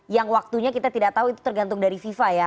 yang waktunya kita tidak tahu itu tergantung dari fifa ya